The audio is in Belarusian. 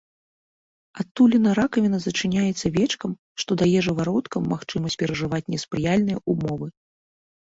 Адтуліна ракавіны зачыняецца вечкам, што дае жывародкам магчымасць перажываць неспрыяльныя ўмовы.